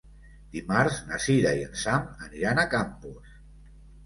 Dimarts na Cira i en Sam aniran a Campos.